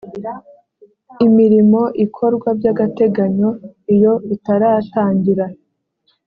imirimo ikorwa byagateganyo iyo itaratangira.